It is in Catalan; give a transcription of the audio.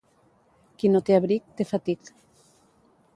Qui no té abric, té fatic.